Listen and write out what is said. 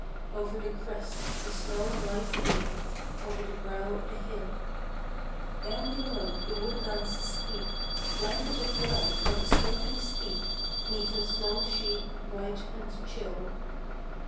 Over the crest the snow lies deep, Over the brow of the hill. Down below the woodlands sleep, Blanketed well on the sloping steep 'Neath a snow sheet white and chill.